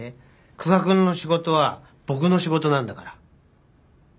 久我君の仕事は僕の仕事なんだから。